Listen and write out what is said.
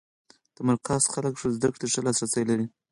د مرکز خلک زده کړو ته ښه لاس رسی لري.